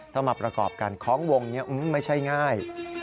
ถ้ามาประกอบกันของวงนี้ไม่ใช่ง่าย